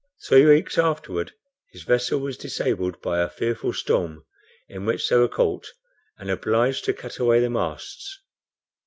Three weeks afterward, his vessel was disabled by a fearful storm in which they were caught, and obliged to cut away the masts.